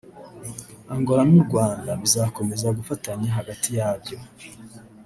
Angola n’u Rwanda bizakomeza gufatanya hagati yabyo